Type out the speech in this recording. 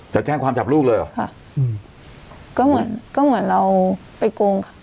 จะแจ้งความจับลูกเลยเหรอค่ะอืมก็เหมือนก็เหมือนเราไปโกงค่ะ